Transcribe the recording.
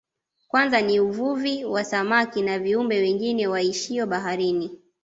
Kwanza ni uvuvi wa samaki na viumbe wengine waishio baharini